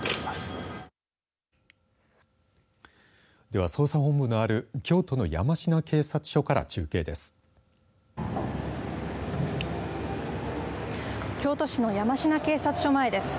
では、捜査本部のある京都の山科警察署から中継です。